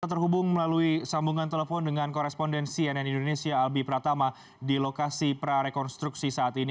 kita terhubung melalui sambungan telepon dengan koresponden cnn indonesia albi pratama di lokasi prarekonstruksi saat ini